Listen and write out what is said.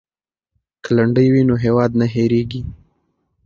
که لنډۍ وي نو هیواد نه هیریږي.